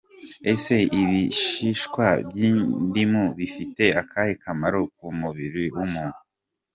Ese ibishishwa by’indimu bifite akahe kamaro ku mubiri w’umuntu?.